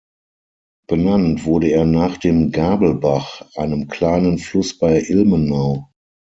Benannt wurde er nach dem Gabelbach, einem kleinen Fluss bei Ilmenau.